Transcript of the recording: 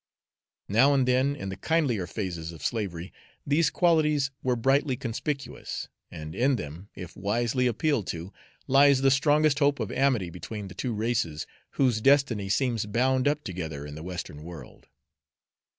Now and then in the kindlier phases of slavery these qualities were brightly conspicuous, and in them, if wisely appealed to, lies the strongest hope of amity between the two races whose destiny seems bound up together in the Western world.